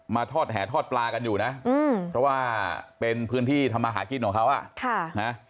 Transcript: ทอดแห่ทอดปลากันอยู่นะเพราะว่าเป็นพื้นที่ทำมาหากินของเขาอ่ะนะ